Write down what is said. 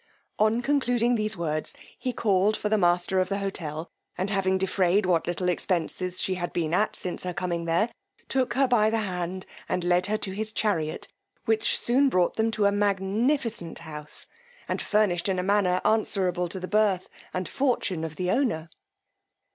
On concluding these words he called for the master of the hotel, and having defrayed what little expences she had been at since her coming there, took her by the hand and led her to his chariot, which soon brought them to a magnificent, house, and furnished in a manner answerable to the birth and fortune of the owner.